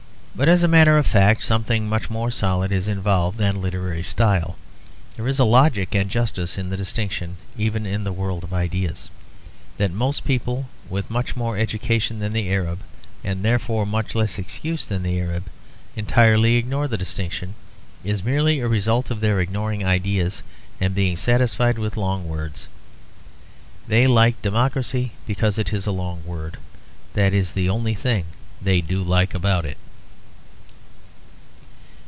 But as a matter of fact something much more solid is involved than literary style. There is a logic and justice in the distinction, even in the world of ideas. That most people with much more education than the Arab, and therefore much less excuse than the Arab, entirely ignore that distinction, is merely a result of their ignoring ideas, and being satisfied with long words. They like democracy because it is a long word; that is the only thing they do like about it.